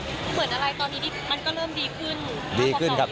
เหมือนอะไรตอนนี้มันก็เริ่มดีขึ้น